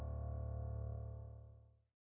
โปรดติดตามตอนต่อไป